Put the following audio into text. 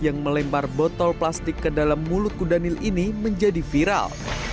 yang melempar botol plastik ke dalam mulut kudanil ini menjadi viral